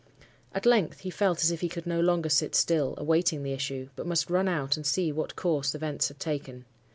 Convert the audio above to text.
"At length, he felt as if he could no longer sit still, awaiting the issue, but must run out and see what course events had taken.